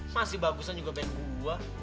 masih bagus kan juga band gua